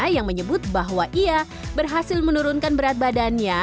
yang menyebut bahwa ia berhasil menurunkan berat badannya